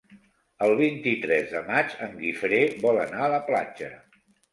El vint-i-tres de maig en Guifré vol anar a la platja.